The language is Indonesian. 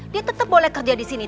dia tetap boleh kerja di sini